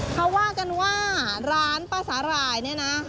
เขาว่ากันว่าร้านป้าสาหร่ายเนี่ยนะ